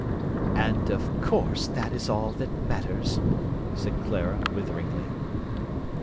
"And, of course, that is all that matters," said Clara witheringly.